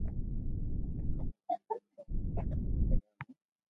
متي روڪ اينو ايڪ ڪريا مون